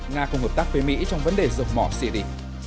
nga cùng hợp tác với mỹ trong vấn đề dầu mỏ xị đi